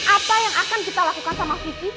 apa yang akan kita lakukan sama vicky